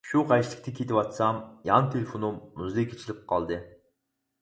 شۇ غەشلىكتە كېتىۋاتسام يان تېلېفونۇم مۇزىكا چېلىپ قالدى.